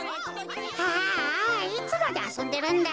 ああいつまであそんでるんだ。